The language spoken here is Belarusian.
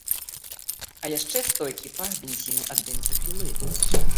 А яшчэ стойкі пах бензіну ад бензапілы!